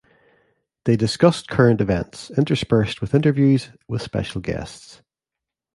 They discussed current events, interspersed with interviews with special guests.